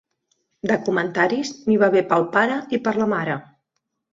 De comentaris, n'hi va haver pel pare i per la mare.